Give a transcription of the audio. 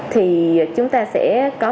thì chúng ta sẽ có